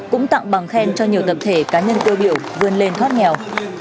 cũng tặng bằng khen cho nhiều tập thể cá nhân tiêu biểu vươn lên thoát nghèo